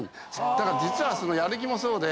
だから実はやる気もそうで。